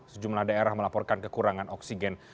sejumlah daerah melaporkan kekurangan oksigen